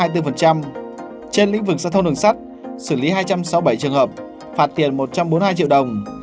trên lĩnh vực giao thông đường sắt xử lý hai trăm sáu mươi bảy trường hợp phạt tiền một trăm bốn mươi hai triệu đồng